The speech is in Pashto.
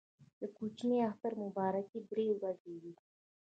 د کوچني اختر مبارکي درې ورځې وي.